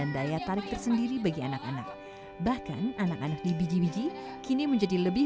daya tarik tersendiri bagi anak anak bahkan anak anak di biji biji kini menjadi lebih